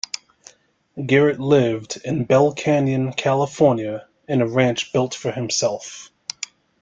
Garrett lived in Bell Canyon, California in a ranch built for himself.